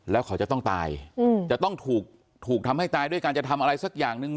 แล้วเขาจะต้องตายจะต้องถูกทำให้ตายด้วยการจะทำอะไรสักอย่างหนึ่ง